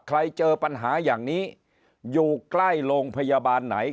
เจอปัญหาอย่างนี้อยู่ใกล้โรงพยาบาลไหน